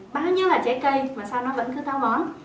bao nhiêu là trái cây mà sao nó vẫn cứ táo bón